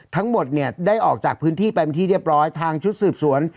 ทั้งหมดเนี่ยได้ออกจากพื้นที่ไปเป็นที่เรียบร้อยทางชุดสืบสวน